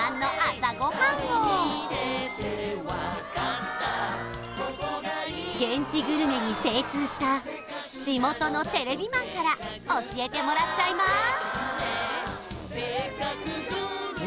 っ現地グルメに精通した地元のテレビマンから教えてもらっちゃいます